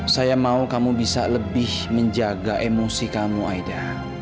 saya mau kamu bisa lebih menjaga emosi kamu aida